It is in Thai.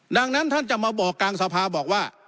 ดังนั้นท่านจะมาบอกกลางสภาบอกว่า